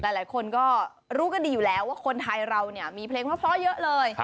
หลายคนก็รู้กันดีอยู่แล้วว่าคนไทยเราเนี่ยมีเพลงเพราะเยอะเลย